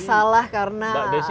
masalah karena mengipas ipas